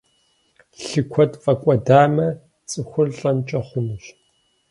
Лъы куэд фӀэкӀуэдамэ, цӀыхур лӀэнкӀэ хъунущ.